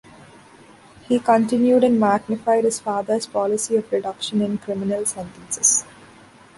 He continued and magnified his father's policy of reduction in criminal sentences.